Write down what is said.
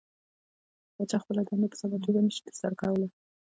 پاچا خپله دنده په سمه توګه نشي ترسره کولى .